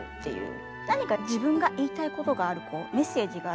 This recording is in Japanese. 何か自分が言いたいことがある子メッセージがある子